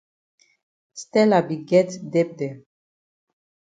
Stella be get debt dem.